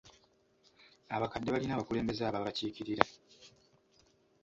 Abakadde balina abakulembeze ababakiikirira.